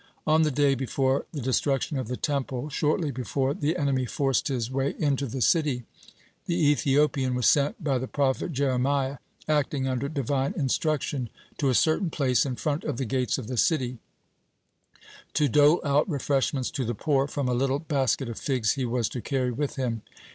On the day before the destruction of the Temple, shortly before the enemy forced his way into the city, the Ethiopian was sent, by the prophet Jeremiah acting under Divine instruction, to a certain place in front of the gates of the city, to dole out refreshments to the poor from a little basket of figs he was to carry with him.